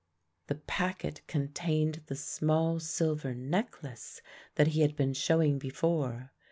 The packet contained the small silver necklace that he had been showing before.